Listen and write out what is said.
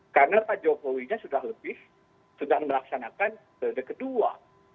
karena pak jokowinya sudah lebih sudah melaksanakan periode kedua